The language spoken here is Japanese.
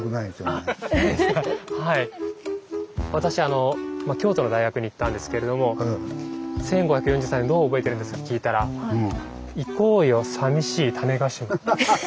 私京都の大学に行ったんですけれども「１５４３年どう覚えてるんですか？」って聞いたらハハハハ！